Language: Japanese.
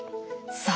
さあ